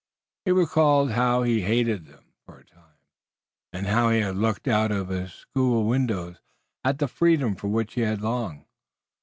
He recalled how he had hated them for a time, and how he had looked out of his school windows at the freedom for which he had longed.